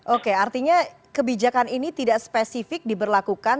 oke artinya kebijakan ini tidak spesifik diberlakukan